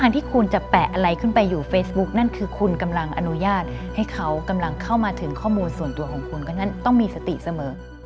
ถึงข้อมูลส่วนตัวของคุณก็นั่นต้องมีสติเสมอ